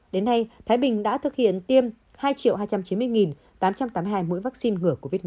đến nay thái bình đã thực hiện tiêm hai hai trăm chín mươi tám trăm tám mươi hai mũi vaccine ngừa covid một mươi chín